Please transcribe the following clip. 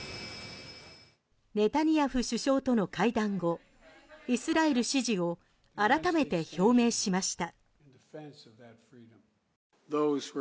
ネタニヤフ首相との会談後イスラエル支持を改めて表明しました。